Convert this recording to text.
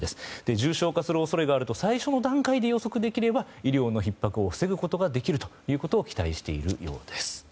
重症化する恐れがあると最初の段階で予測できれば、医療のひっ迫を防ぐことができるということを期待しているようです。